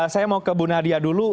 saya mau ke bu nadia dulu